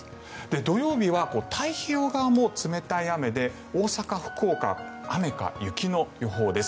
土曜日は太平洋側も冷たい雨で大阪、福岡は雨か雪の予報です。